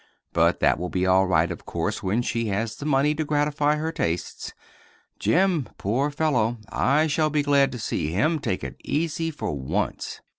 But that will be all right, of course, when she has the money to gratify her tastes. Jim—poor fellow, I shall be glad to see him take it easy, for once.